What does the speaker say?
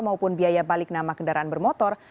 maupun biaya balik nama kendaraan bermotor